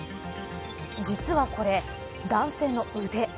実はこれ男性の腕。